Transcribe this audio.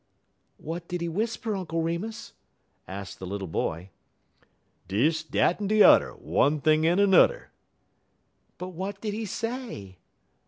"What did he whisper, Uncle Remus?" asked the little boy. "Dis, dat, en de udder, one thing en a nudder." "But what did he say?"